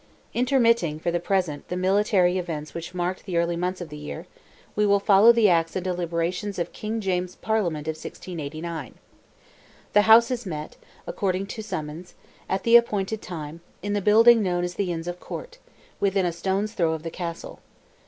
Intermitting, for the present, the military events which marked the early months of the year, we will follow the acts and deliberations of King James's Parliament of 1689. The Houses met, according to summons, at the appointed time, in the building known as "the Inns of Court," within a stone's throw of the castle.